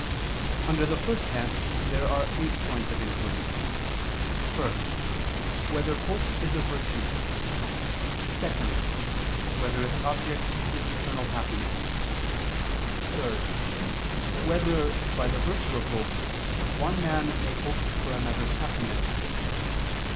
Under the first head there are eight points of inquiry: (1) Whether hope is a virtue? (2) Whether its object is eternal happiness? (3) Whether, by the virtue of hope, one man may hope for another's happiness?